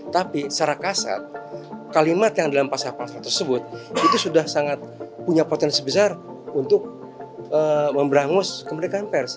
tapi secara kasat kalimat yang dalam pasal pasal tersebut itu sudah sangat punya potensi besar untuk memberangus kemerdekaan pers